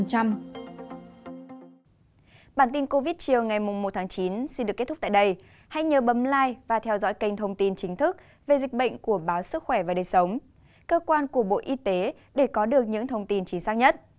hãy đăng ký kênh để nhận thông tin chính thức về dịch bệnh của báo sức khỏe và đời sống cơ quan của bộ y tế để có được những thông tin chính xác nhất